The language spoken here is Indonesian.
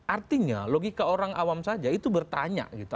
artinya logika orang awam saja itu bertanya gitu